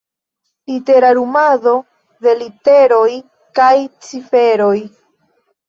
Literumado de literoj kaj ciferoj.